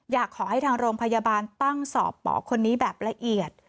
อยากให้ทางโรงพยาบาลตั้งสอบหมอคนนี้แบบละเอียด